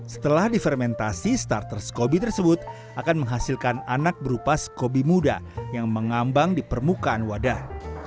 setelah difermentasi starter scoby tersebut akan menghasilkan anak berupa skobi muda yang mengambang di permukaan wadah